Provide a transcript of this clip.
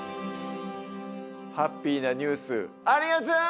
ハッピーなニュースありがと！